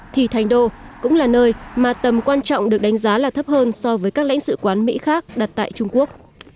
thì thành đô cũng là nơi mà tầm quan trọng được đánh giá là thấp hơn so với các lãnh sự quán mỹ khác đặt tại trung quốc